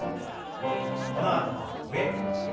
このあとは上。